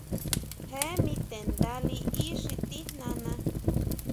Jee mi te nda liʼí xi tijnana.